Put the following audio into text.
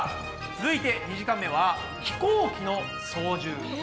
続いて２時間目は「飛行機の操縦」。